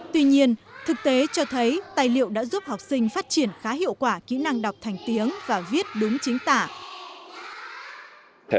tuy nhiên thực tế cho thấy tài liệu đã giúp học sinh phát triển khá hiệu quả kỹ năng đọc thành tiếng và viết đúng chính tả